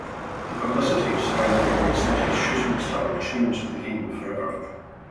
The publicity surrounding Luisetti's shooting style changed the game forever.